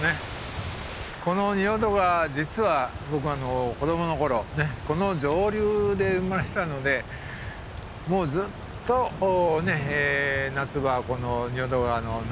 この仁淀川実は僕が子どもの頃ね上流で生まれたのでもうずっと夏場はこの仁淀川の中で遊んでました。